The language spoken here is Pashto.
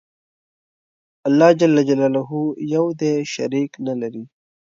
الله ج یو دی. شریک نلري.